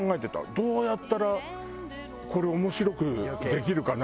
「どうやったらこれ面白くできるかな？」